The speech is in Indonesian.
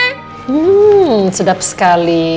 hmm sedap sekali